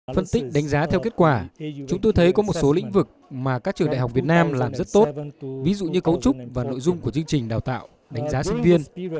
phân tích đánh giá theo kết quả chúng tôi thấy có một số lĩnh vực mà các trường đại học việt nam làm rất tốt ví dụ như cấu trúc và nội dung của chương trình đào tạo đánh giá sinh viên